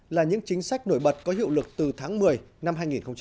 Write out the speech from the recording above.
là những chính sách nổi bật có hiệu lực từ tháng một mươi năm hai nghìn một mươi chín